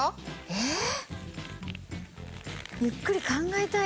えっ？